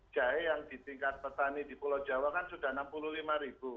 jahe yang di tingkat petani di pulau jawa kan sudah enam puluh lima ribu